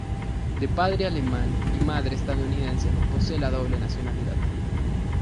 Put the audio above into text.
De padre alemán y madre estadounidense, posee la doble nacionalidad.